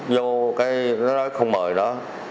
vô cái nó nói không mời nó